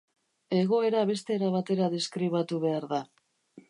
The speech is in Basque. Egoera beste era batera deskribatu behar da.